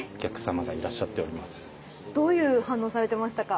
どういう反応されてましたか？